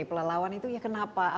pelawan itu ya kenapa